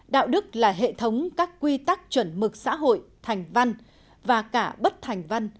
đạo đức là hệ thống các quy tắc chuẩn mực xã hội thành văn và cả bất thành văn